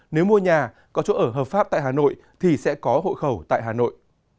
nếu mua nhà có chỗ ở hợp pháp tại hà nội thì sẽ có hộ khẩu tại hà nội